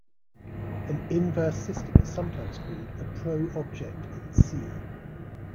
An inverse system is sometimes called a "pro-object" in "C".